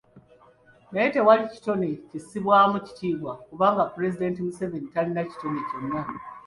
Naye tewali kitone kissibwamu kitiibwa kubanga Pulezidenti Museveni talina kitone kyonna.